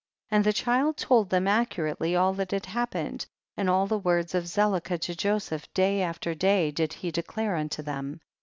66. And the child told them accu rately all that happened, and all the words of Zelicah to Joseph day after day did he declare unto them.